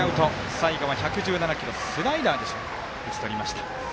最後は１１７キロスライダーで打ち取りました。